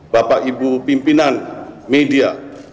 bapak ibu pimpinan media